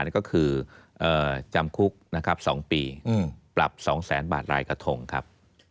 ก็คือจำคุกนะครับ๒ปีปรับ๒๐๐๐๐บาทรายกระทงครับ